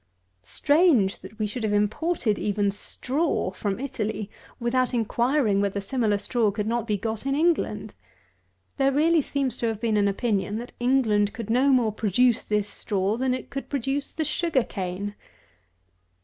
Strange, that we should have imported even straw from Italy, without inquiring whether similar straw could not be got in England! There really seems to have been an opinion, that England could no more produce this straw than it could produce the sugar cane.